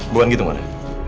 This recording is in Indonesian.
bukan gitu mona